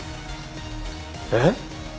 えっ？